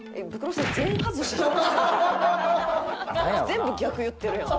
全部逆言ってるやん。